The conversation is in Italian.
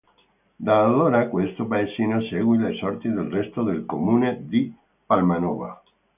Da allora questo paesino seguì le sorti del resto del comune di Palmanova.